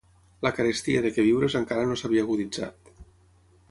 La carestia de queviures encara no s'havia aguditzat